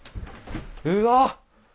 うわ！